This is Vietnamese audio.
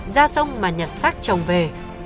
ra sông mà nhận sát chồng về